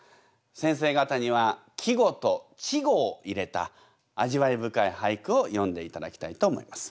先生方には季語と稚語を入れた味わい深い俳句を詠んでいただきたいと思います。